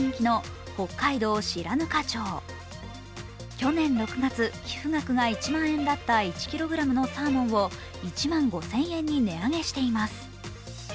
去年６月、寄付額が１万円だった１ｋｇのサーモンを１万５０００円に値上げしています。